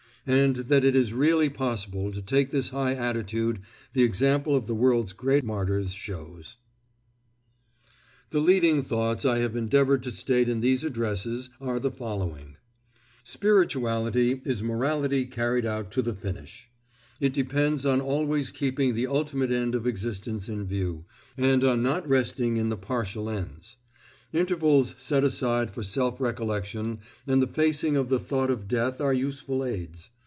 And that it is really possible to take this high attitude the example of the world's great martyrs shows. The leading thoughts I have endeavored to state in these addresses are the following: Spirituality is morality carried out to the finish. It depends on always keeping the ultimate end of existence in view, and on not resting in the partial ends. Intervals set aside for self recollection and the facing of the thought of death are useful aids.